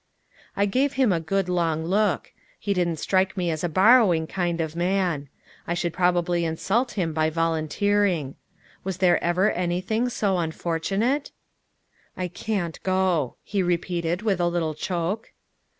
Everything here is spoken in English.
I gave him a good long look. He didn't strike me as a borrowing kind of man. I should probably insult him by volunteering. Was there ever anything so unfortunate? "I can't go," he repeated with a little choke.